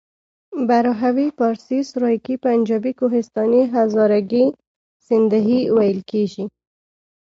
پښتو، بلوچي، براهوي، فارسي، سرایکي، پنجابي، کوهستاني، هزارګي، سندهي..ویل کېژي.